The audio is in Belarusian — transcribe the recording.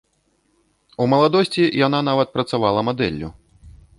У маладосці яна нават працавала мадэллю.